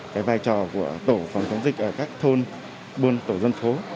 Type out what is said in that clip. cái vai trò của tổ phòng chống dịch ở các thôn buôn tổ dân phố